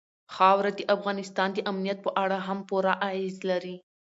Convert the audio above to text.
خاوره د افغانستان د امنیت په اړه هم پوره اغېز لري.